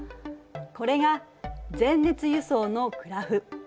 これが全熱輸送のグラフ。